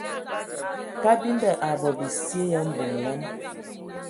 Kabinda a bɔ bisye ya mbomolan.